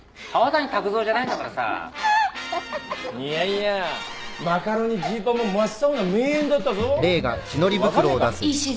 いやいやマカロニジーパンも真っ青な名演だったぞ。って分かんねえか。